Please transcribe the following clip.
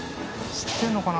知ってるのかな？